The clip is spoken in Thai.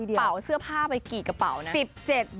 เธอเอากระเป๋าเสื้อผ้าไปกี่กระเป๋านะ